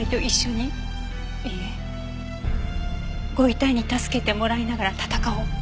いいえご遺体に助けてもらいながら戦おう。